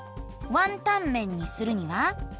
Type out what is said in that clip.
「ワンタンメン」にするには？